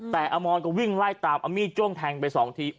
แต่อมรก็วิ่งไล่ตามเอามีดจ้วงแทงไปสองที